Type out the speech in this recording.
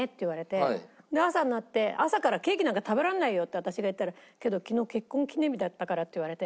で朝になって「朝からケーキなんか食べられないよ」って私が言ったら「けど昨日結婚記念日だったから」って言われて。